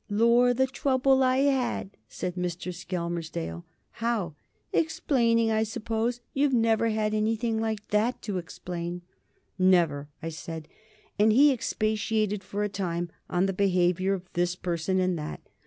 "Lor'! the trouble I 'ad!" said Mr. Skelmersdale. "How?" "Explaining. I suppose you've never had anything like that to explain." "Never," I said, and he expatiated for a time on the behaviour of this person and that.